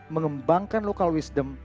mengembangkan local wisdom